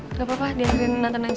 nggak apa apa diantarin natan aja